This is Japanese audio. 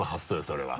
それは。